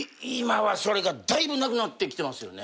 今はだいぶなくなってきてます。